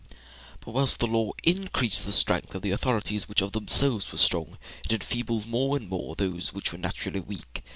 But whilst the law increased the strength of those authorities which of themselves were strong, it enfeebled more and more those which were naturally weak.